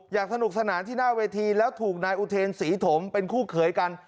สนุกสนานที่หน้าเวทีแล้วถูกนายอุเทนศรีถมเป็นคู่เขยกัน